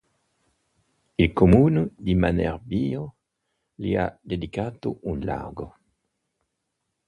Il comune di Manerbio gli ha dedicato un "largo".